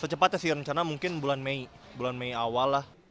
secepatnya sih rencana mungkin bulan mei bulan mei awal lah